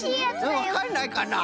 わかんないかな？